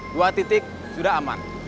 buah titik sudah aman